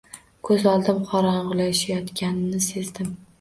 Ko’z oldim qorong’ulashayotganini sezdim.